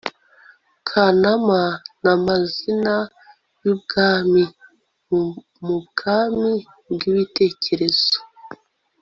Kanama namazina yubwami mubwami bwibitekerezo